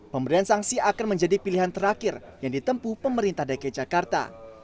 pemberian sanksi akan menjadi pilihan terakhir yang ditempu pemerintah dki jakarta